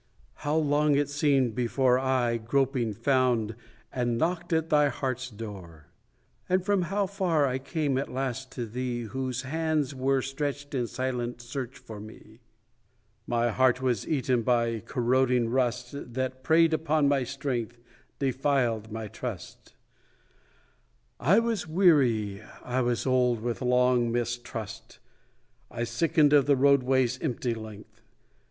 How long it seemed before I, groping, found And knocked at thy heart's door; And from how far I came at last to thee Whose hands were stretched in silent search for me. My heart was eaten by corroding rust That preyed upon my strength, Defiled my trust; I was weary, I was old with long mistrust, I sickened of the roadway's empty length.